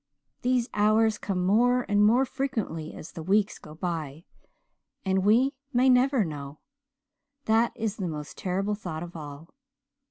These hours come more and more frequently as the weeks go by. And we may never know. That is the most terrible thought of all.